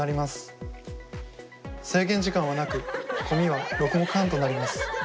制限時間はなくコミは６目半となります。